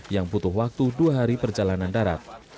yang butuh waktu dua hari perjalanan darat